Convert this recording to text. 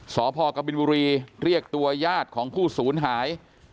สพกบินบุรีเรียกตัวญาติของผู้ศูนย์หาย